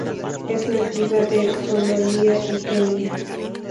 Es nativa de Somalia y Kenia.